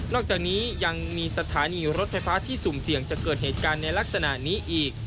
อกจากนี้ยังมีสถานีรถไฟฟ้าที่สุ่มเสี่ยงจะเกิดเหตุการณ์ในลักษณะนี้อีก